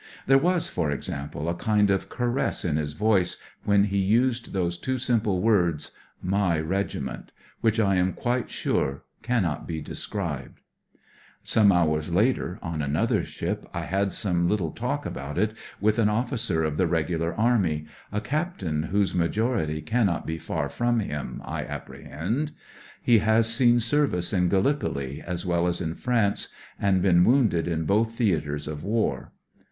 There was, for example, a kind of caress in his voice when he used those two simple words " my Regiment," which I am quite sure cannot be described. Some hoiurs later, on another ship, I had some little talk about it with an officer of the Regular Army, a captain C( WE DON'T COUNT WOUNDS " 101 whose majority cannot be far from him, I apprehend. He has seen service in Gallipoli, as well as in France, and been wounded in both theatres of war.